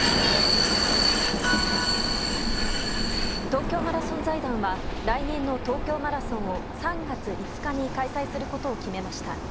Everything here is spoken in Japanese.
東京マラソン財団は来年の東京マラソンを３月５日に開催することを決めました。